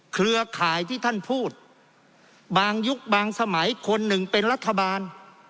เครือข่ายที่ท่านพูดบางยุคบางสมัยคนหนึ่งเป็นรัฐบาล